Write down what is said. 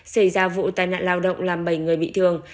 xảy ra vụ tai nạn lao động làm bảy người bị thương